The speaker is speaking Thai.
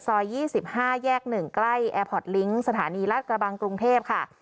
๒๕แยก๑ใกล้แอร์พอร์ตลิงก์สถานีราชกระบังกรุงเทพค่ะ